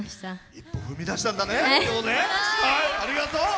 一歩踏み出したんだね。